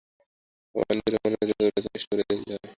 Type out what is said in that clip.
আমার নিজেরই মনে হইতেছে, ওটা চেষ্টা করিয়া দেখিলে হয়।